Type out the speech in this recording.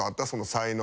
才能。